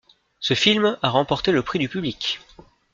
Ce film a remporté le Prix du public.